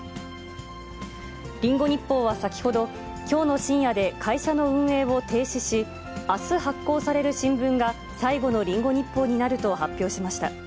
リンゴ日報は先ほど、きょうの深夜で会社の運営を停止し、あす発行される新聞が最後のリンゴ日報になると発表しました。